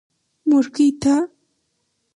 مورکۍ تا.